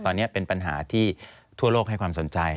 ตอนนี้เป็นปัญหาที่ทั่วโลกให้ความสนใจ